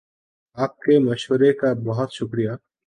آپ کے مشورے کا بہت شکر یہ